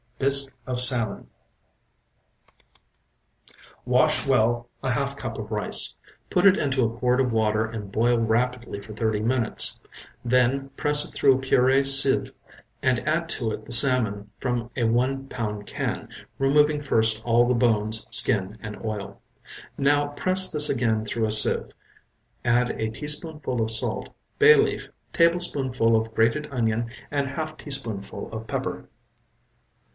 BISQUE OF SALMON Wash well a half cup of rice. Put it into a quart of water and boil rapidly for thirty minutes. Then press it through a purée sieve and add to it the salmon from a one pound can, removing first all the bones, skin and oil. Now press this again through a sieve; add a teaspoonful of salt, bay leaf, tablespoonful of grated onion and half teaspoonful of pepper.